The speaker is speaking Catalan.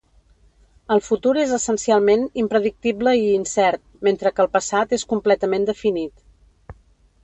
El futur és essencialment impredictible i incert, mentre que el passat és completament definit.